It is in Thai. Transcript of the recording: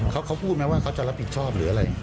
เขาพูดไหมว่าเขาจะรับผิดชอบหรืออะไร